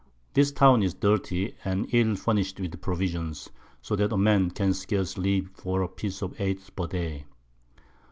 This Town is dirty, and ill furnish'd with Provisions, so that a Man can scarce live for a Piece of Eight per Day.